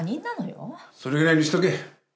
それぐらいにしとけ。